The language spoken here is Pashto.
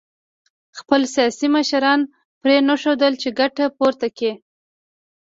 خپل سیاسي مشران پرېنښودل چې ګټه پورته کړي